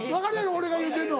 俺が言うてるの。